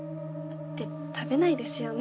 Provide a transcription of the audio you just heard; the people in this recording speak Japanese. って食べないですよね？